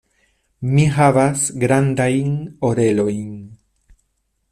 Mi havas grandajn orelojn.